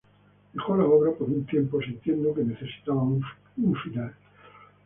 Dejó la obra por un tiempo, sintiendo que necesitaba un final.